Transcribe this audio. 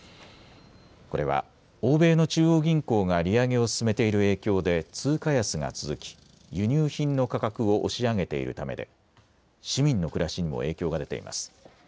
これは欧米の中央銀行が利上げを進めている影響で通貨安が続き輸入品の価格を押し上げているためで市民の暮らしにも影響が出ています。